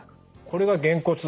これがげんこつ。